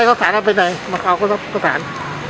เซ้นเขาสาลออกไปไหนมะเขาก็สาล